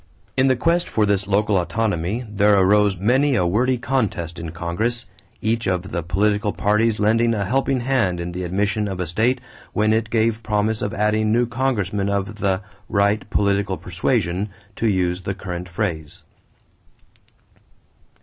In the quest for this local autonomy there arose many a wordy contest in Congress, each of the political parties lending a helping hand in the admission of a state when it gave promise of adding new congressmen of the "right political persuasion," to use the current phrase.